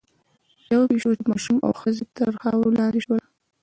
پوه شوم چې ماشومان او ښځې تر خاورو لاندې شول